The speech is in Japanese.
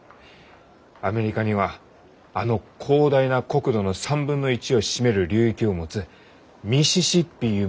アメリカにはあの広大な国土の３分の１を占める流域を持つミシシッピゆう